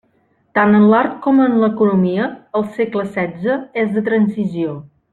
Tant en l'art com en l'economia, el segle setze és de transició.